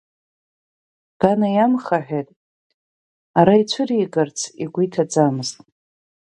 Гана иамхаҳәеит ара ицәыригарц игәы иҭаӡамыз.